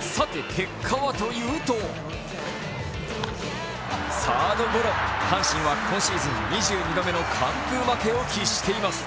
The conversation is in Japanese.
さて結果はというとサードゴロ、阪神は今シーズン２２度目の完封負けを喫しています。